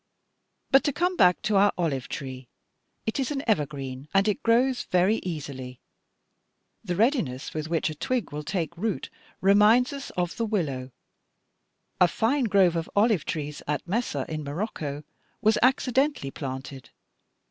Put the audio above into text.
But to come back to our olive tree: it is an evergreen, and it grows very easily. The readiness with which a twig will take root reminds us of the willow. A fine grove of olive trees at Messa, in Morocco, was accidentally planted.